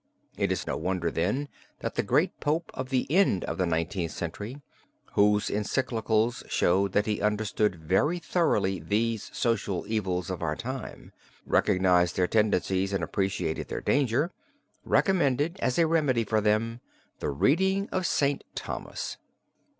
It is no wonder, then, that the great Pope of the end of the Nineteenth Century, whose encyclicals showed that he understood very thoroughly these social evils of our time, recognized their tendencies and appreciated their danger, recommended as a remedy for them the reading of St. Thomas.